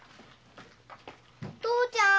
父ちゃん？